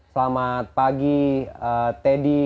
selamat pagi teddy